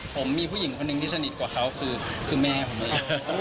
ผมมีผู้หญิงคนหนึ่งที่สนิทกว่าเขาคือแม่ผมเอง